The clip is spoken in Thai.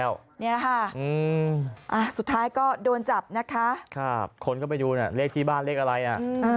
เอ่อนี่นะคะสุดท้ายก็โดนจับนะคะขนเข้าไปดูน่ะเลขที่บ้านเลขอะไรน่ะ